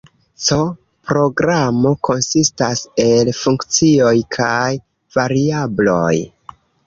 C-programo konsistas el funkcioj kaj variabloj.